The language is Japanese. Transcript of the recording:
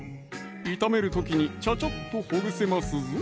炒める時にちゃちゃっとほぐせますぞ